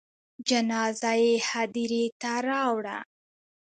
جنازه یې هدیرې ته راوړه.